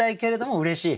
うれしい。